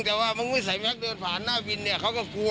แต่ว่ามันไม่ใส่แม็กเดินผ่านหน้าบินเขาก็กลัว